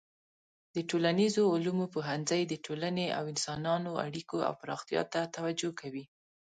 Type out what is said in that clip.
د ټولنیزو علومو پوهنځی د ټولنې او انسانانو اړیکو او پراختیا ته توجه کوي.